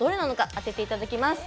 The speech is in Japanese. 当てていただきます。